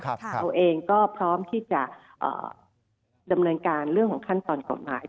เราเองก็พร้อมที่จะดำเนินการเรื่องของขั้นตอนกฎหมาย